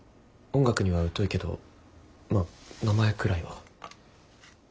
音楽には疎いけどまあ名前くらいは。